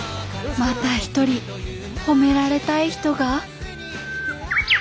また一人褒められたい人がどうぞ。